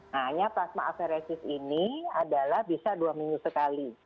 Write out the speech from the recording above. hanya plasma aferesis ini adalah bisa dua minggu sekali